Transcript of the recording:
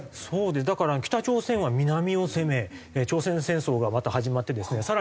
そうだから北朝鮮は南を攻め朝鮮戦争がまた始まってですね